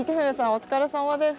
お疲れさまです。